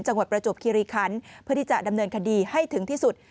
ประจวบคิริคันเพื่อที่จะดำเนินคดีให้ถึงที่สุด